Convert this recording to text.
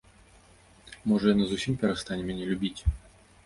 Можа, яна зусім перастане мяне любіць?